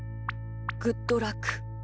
グッドラック。